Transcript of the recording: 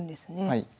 はい。